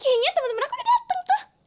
kayaknya temen temen aku udah dateng tuh